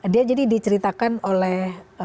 dia jadi diceritakan oleh